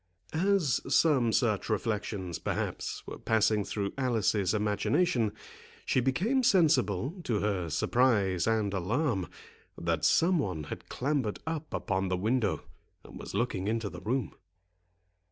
As some such reflections, perhaps, were passing through Alice's imagination, she became sensible, to her surprise and alarm, that some one had clambered up upon the window, and was looking into the room.